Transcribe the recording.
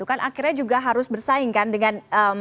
akhirnya juga harus bersaingkan dengan